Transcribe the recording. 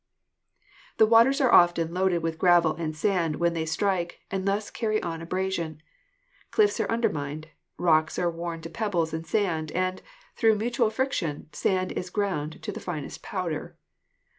The waters are often loaded with gravel and sand when they strike, and thus carry on abrasion. Cliffs are undermined, rocks are worn to pebbles and sand, and, through mutual, friction, sand is ground to the finest powder.